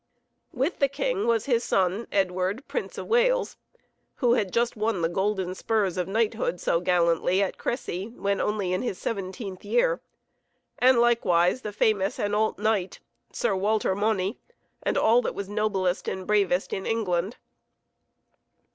With the king was his son, Edward, Prince of Wales, who had just won the golden spurs of knighthood so gallantly at Crecy when only in his seventeenth year, and likewise the famous Hainault knight, Sir Walter Mauny, and all that was noblest and bravest in England.